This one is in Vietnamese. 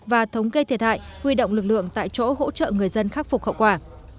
và thống kê thiệt hại huy động lực lượng tại chỗ hỗ trợ người dân khắc phục hậu quả